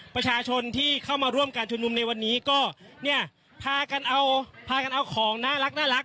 ประชาชนที่เข้ามาร่วมการชุมนุมในวันนี้ก็เนี่ยพากันเอาพากันเอาของน่ารัก